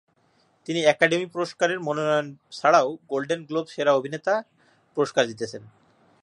তিনি একাডেমি পুরস্কারের মনোনয়ন ছাড়াও গোল্ডেন গ্লোব সেরা অভিনেতা পুরস্কার জিতেছেন।